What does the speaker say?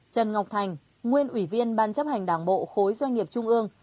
trần ngọc thành nguyên ủy viên ban chấp hành đảng bộ khối doanh nghiệp trung ương